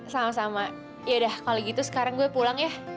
sama sama yaudah kalau gitu sekarang gue pulang ya